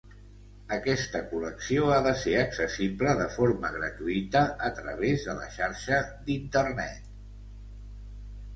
Aquesta col·lecció ha de ser accessible de forma gratuïta a través de la xarxa d’Internet.